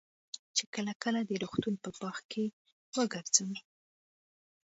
چې کله کله د روغتون په باغ کښې وګرځم.